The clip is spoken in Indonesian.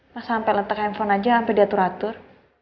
masa sampe letak handphone aja sampe diatur atur